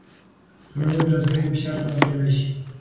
ټولنیزې رسنۍ د فشار سبب کېدای شي.